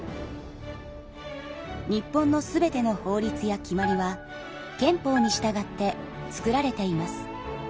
日本の全ての法律や決まりは憲法に従って作られています。